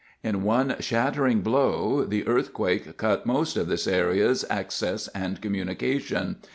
In one shattering blow, the earthquake cut most of this area's access and communication.